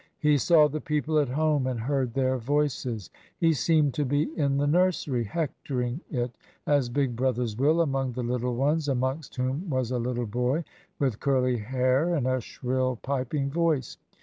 He saw the people at home and heard their voices. He seemed to be in the nursery, hectoring it, as big brothers will, among the little ones, amongst whom was a little boy with curly hair and a shrill piping voice.